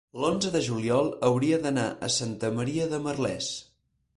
l'onze de juliol hauria d'anar a Santa Maria de Merlès.